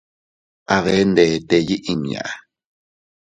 A bee ndete yiʼi inña.